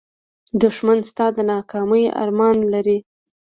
دښمن ستا د ناکامۍ ارمان لري